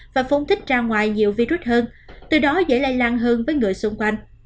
và phóng thích ra ngoài nhiều virus hơn từ đó dễ lây lan hơn với người xung quanh